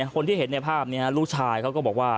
คนที่เห็นในภาพนี้ลูกชายเขาก็บอกว่า